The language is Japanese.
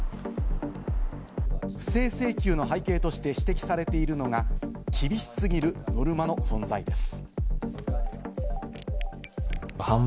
不正請求の背景として指摘されているのが厳し過ぎるノルマの存在です。